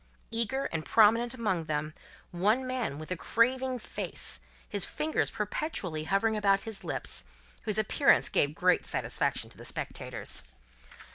Eager and prominent among them, one man with a craving face, and his fingers perpetually hovering about his lips, whose appearance gave great satisfaction to the spectators.